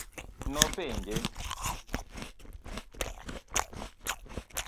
Nopenje.